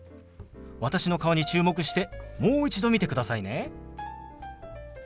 私の顔に注目してもう一度見てくださいね。